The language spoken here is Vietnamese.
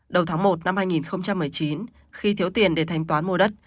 đầu tháng một năm hai nghìn một mươi chín khi thiếu tiền để thanh toán mua đất